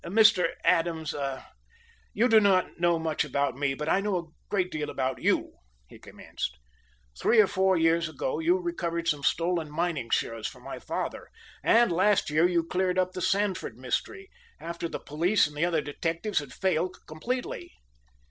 "Mr. Adams, you do not know much about me, but I know a great deal about you," he commenced. "Three or four years ago you recovered some stolen mining shares for my father, and last year you cleared up the Sandford mystery, after the police and the other detectives had failed completely."